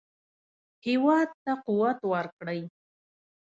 هېواد ته قوت ورکړئ